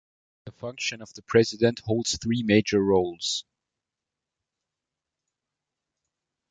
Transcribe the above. The function of the President holds three major roles.